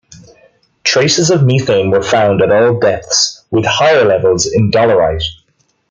Traces of methane were found at all depths, with higher levels in dolerite.